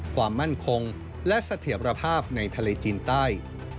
ความมั่นคงและเสถียรภาพในทะเลจีนใต้